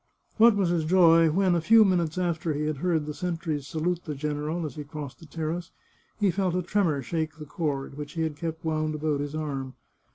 What was his joy when, a few minutes after he had heard the sentries salute the gen eral as he crossed the terrace, he felt a tremor shake the cord, which he had kept wound about his arm.